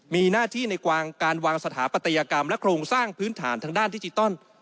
มีหน้าที่ในการวางสถาปัตยกรรมและโครงสร้างพื้นฐานทางด้านดิจิตอล